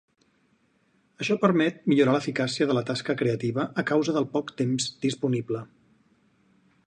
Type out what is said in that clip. Això permet millorar l'eficàcia de la tasca creativa a causa del poc temps disponible.